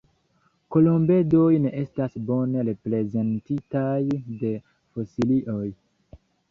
Kolombedoj ne estas bone reprezentitaj de fosilioj.